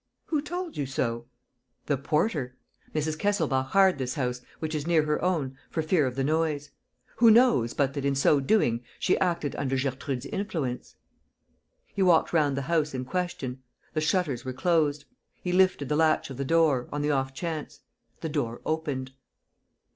"Who told you so?" "The porter. Mrs. Kesselbach hired this house, which is near her own, for fear of the noise. Who knows but that, in so doing, she acted under Gertrude's influence?" He walked round the house in question. The shutters were closed. He lifted the latch of the door, on the off chance; the door opened.